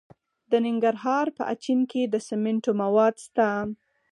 د ننګرهار په اچین کې د سمنټو مواد شته.